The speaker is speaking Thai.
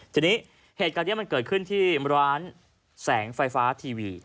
ทีนี้เหตุการณ์นี้มันเกิดขึ้นที่ร้านแสงไฟฟ้าทีวี